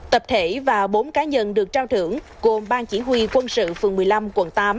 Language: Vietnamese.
tập thể và bốn cá nhân được trao thưởng gồm ban chỉ huy quân sự phường một mươi năm quận tám